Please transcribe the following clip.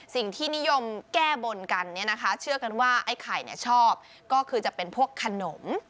สิ่งที่นิยมแก้บนกันเชื่อกันว่าไข่ชอบก็คือจะเป็นพวกขนม